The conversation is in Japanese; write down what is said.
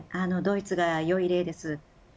ドイツがよい例です。